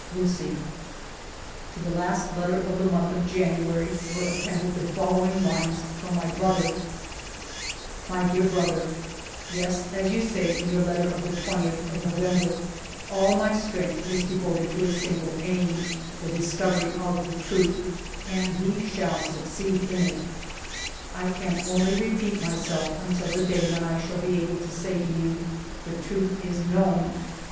Lucie," 198 FIVE YEARS OF MY LIFE To the last letter of the month of January were appended the following lines from my brother : "My dear Brother, — Yes, as you say in your letter of the 20th of November, all my strength is devoted to a single aim, — the discovery of the truth, — and we shall succeed in it. " I can only repeat myself, until the day when I shall be able to say to you, * The truth is known.'